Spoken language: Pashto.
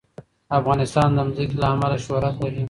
افغانستان د ځمکه له امله شهرت لري.